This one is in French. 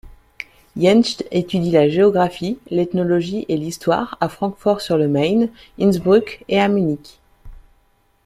Jentsch étudie la géographie, l'ethnologie et l'histoire à Francfort-sur-le-Main, Innsbruck et à Munich.